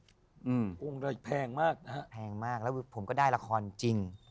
โรงเรียนแพงมากนะฮะแล้วผมก็ได้ละครจริง